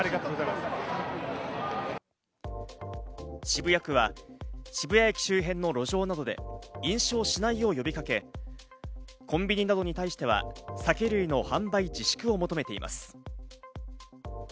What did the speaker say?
渋谷区は、渋谷駅周辺の路上などで飲酒をしないよう呼びかけ、コンビニなどに対しては酒類の販売自粛を求めています。